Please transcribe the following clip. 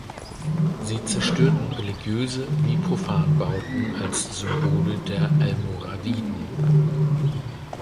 Sie zerstörten religiöse wie Profanbauten als Symbole der Almoraviden.